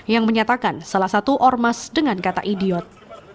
yang menyatakan salah satu ormas dengan kata idiot